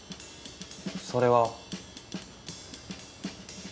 それは。